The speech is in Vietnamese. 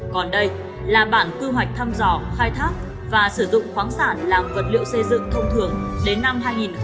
còn đây là bản quy hoạch thăm dò khai thác và sử dụng khoáng sản làm vật liệu xây dựng thông thường đến năm hai nghìn hai mươi